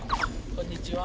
こんにちは。